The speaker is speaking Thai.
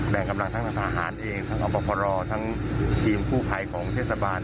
แบ่งกำลังทั้งฐานเองทางอพพลทางทีมผู้ไพรของเทศบาล